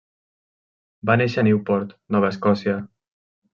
Va néixer a Newport, Nova Escòcia.